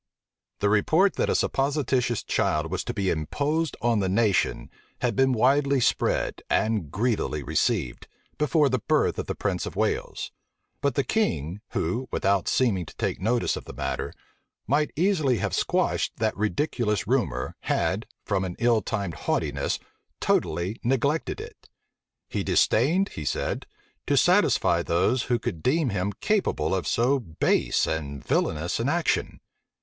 The report that a supposititious child was to be imposed on the nation, had been widely spread, and greedily received, before the birth of the prince of Wales: but the king, who, without seeming to take notice of the matter, might easily have quashed that ridiculous rumor, had, from an ill timed haughtiness, totally neglected it. He disdained, he said, to satisfy those who could deem him capable of so base and villanous an action.